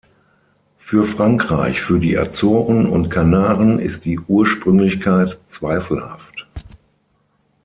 Für Frankreich, für die Azoren und Kanaren ist die Ursprünglichkeit zweifelhaft.